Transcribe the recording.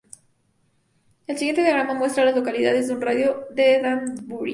El siguiente diagrama muestra a las localidades en un radio de de Danbury.